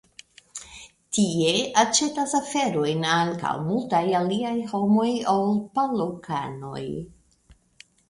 Tie aĉetas aferojn ankaŭ multaj aliaj homoj ol palokkaanoj.